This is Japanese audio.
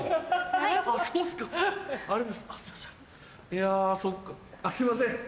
いやそっかあっすいません。